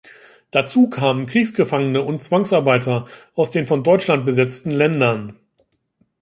Dazu kamen Kriegsgefangene und Zwangsarbeiter aus den von Deutschland besetzten Ländern.